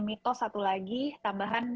mitos satu lagi tambahan